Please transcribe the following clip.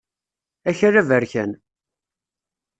Akal aberkan.